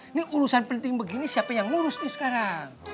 ini urusan penting begini siapa yang lurus nih sekarang